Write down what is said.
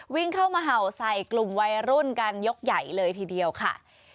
วิ่งเข้ามาเห่าใส่กลุ่มวัยรุ่นกันยกใหญ่เลยทีเดียวค่ะ